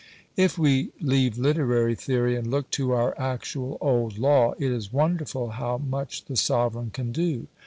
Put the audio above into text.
If we leave literary theory, and look to our actual old law, it is wonderful how much the sovereign can do.